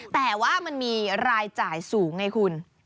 แต่ว่ามันมีรายจ่ายสูงไงคุณ